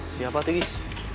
siapa tuh gis